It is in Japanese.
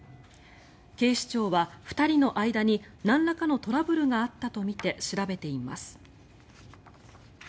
警視庁は２人の間になんらかのトラブルがあったとみて調べています。